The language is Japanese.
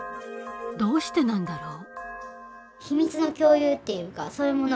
どうしてなんだろう？